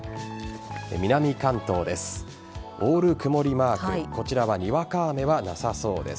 南関東です。